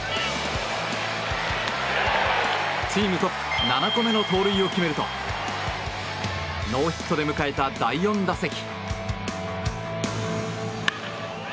チームトップ７個目の盗塁を決めるとノーヒットで迎えた第４打席。